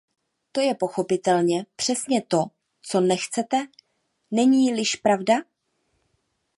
To je pochopitelně přesně to, co nechcete, není-liž pravda?